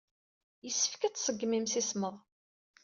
Yessefk ad iṣeggem imsismeḍ.